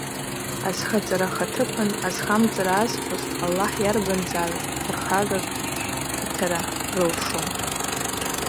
Азхаҵара ахаҭыԥан, азхамҵара аазхәаз, Аллаҳ иарбанзаалак ԥырхагак иҭара рылшом.